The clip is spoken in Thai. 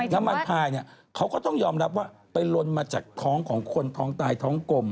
พายเนี่ยเขาก็ต้องยอมรับว่าไปลนมาจากท้องของคนท้องตายท้องกลม